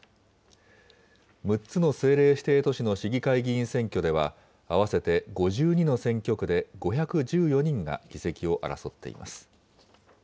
６つの政令指定都市の市議会議員選挙では、合わせて５２の選挙区で、５１４人が議席を争っています。